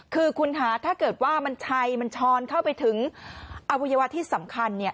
คือคุณคะถ้าเกิดว่ามันชัยมันช้อนเข้าไปถึงอวัยวะที่สำคัญเนี่ย